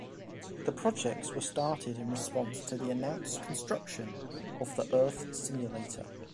The projects were started in response to the announced construction of the Earth Simulator.